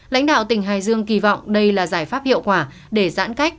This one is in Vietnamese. lãnh đạo tỉnh hải dương kỳ vọng đây là giải pháp hiệu quả để giãn cách